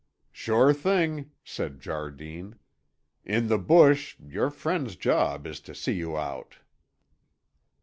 "Sure thing," said Jardine. "In the bush, your friends' job is to see ye oot."